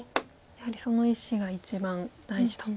やはりその１子が一番大事と。